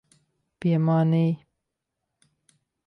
Piemānīji.